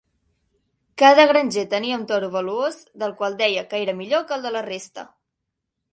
Cada granger tenia un toro valuós del qual deia que era millor que els de la resta.